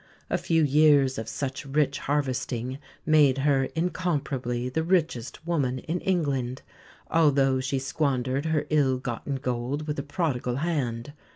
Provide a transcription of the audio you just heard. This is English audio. A few years of such rich harvesting made her incomparably the richest woman in England, although she squandered her ill gotten gold with a prodigal hand.